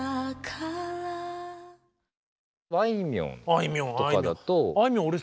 あいみょんとかだと。